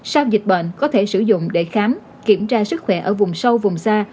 sau dịch bệnh có thể sử dụng để khám kiểm tra sức khỏe ở vùng sâu vùng xa